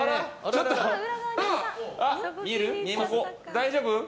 大丈夫？